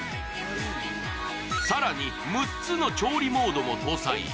更に、６つの調理モードも搭載。